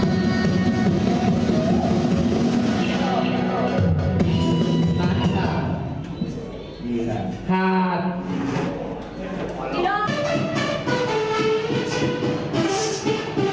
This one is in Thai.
สุดท้ายก็ไม่มีเวลาที่จะรักกับที่อยู่ในภูมิหน้า